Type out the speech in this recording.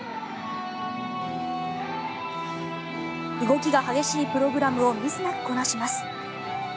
動きが激しいプログラムをミスなくこなします。